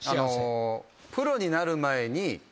プロになる前に。